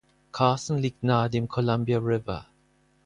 Carson liegt nahe dem Columbia River.